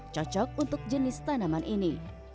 cocok untuk jenis tanaman ini